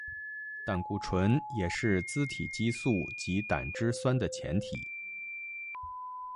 胆固醇也是甾体激素及胆汁酸的前体。